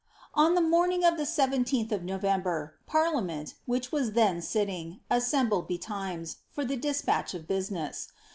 On the morning of the 17th of November, parliament (which was then sitting) assembled betimes, for the dispatch of business.